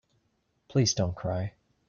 Please don't cry.